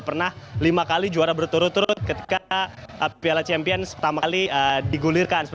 pernah lima kali juara berturut turut ketika piala champions pertama kali digulirkan